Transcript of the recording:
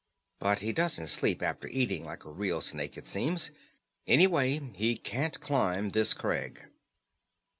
But he doesn't sleep after eating, like a real snake, it seems. Anyway, he can't climb this crag."